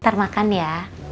ntar makan ya